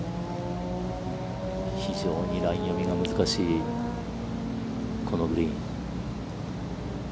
非常にライン読みが難しいこのグリーン。